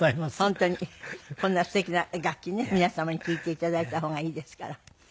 本当にこんなすてきな楽器ね皆様に聴いて頂いた方がいいですから。